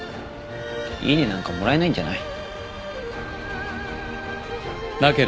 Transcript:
イイネなんかもらえないんじゃない？